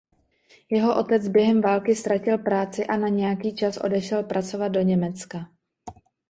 Jeho otec během války ztratil práci a na nějaký čas odešel pracovat do Německa.